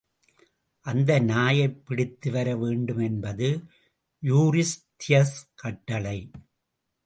அந்த நாயைப் பிடித்து வர வேண்டும் என்பது யூரிஸ்தியஸ் கட்டளை.